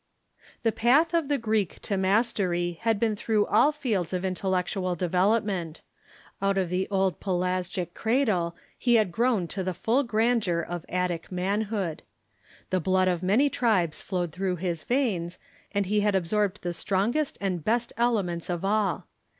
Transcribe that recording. The path of the Greek to mastery had been through all fields of intellectual development. Out of the old Pelasgic cradle he had cjrown to the full grandeur of Attic The Greeks manhood. The blood of many tribes flowed through his veins, and he had absorbed the strongest and best elements of all.